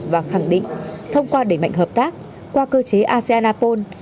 và khẳng định thông qua đẩy mạnh hợp tác qua cơ chế asean apol